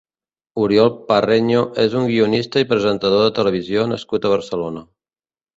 Oriol Parreño és un guionista i presentador de televisió nascut a Barcelona.